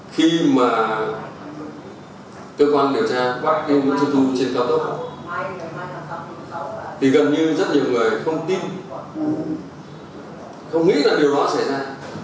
khi mà cơ quan điều tra bắt nguyễn xuân thu trên cầu tốc thì gần như rất nhiều người không tin không nghĩ là điều đó xảy ra